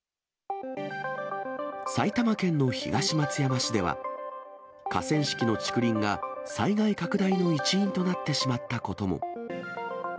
埼玉県の東松山市では、河川敷の竹林が災害拡大の一因となってしまったことも。